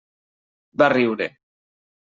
Va riure.